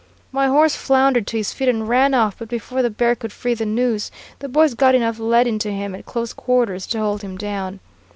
My horse floundered to his feet and ran off, but before the bear could free the noose, the boys got enough lead into him at close quarters to hold him down.